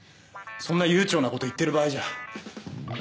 そんな悠長なこと言ってる場合じゃ。